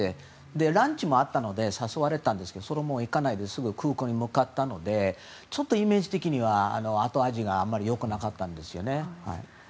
で、ランチもあったので誘われたんですがそれも行かないですぐ空港に向かったのでちょっとイメージ的には後味があまり良くなかったんですよね。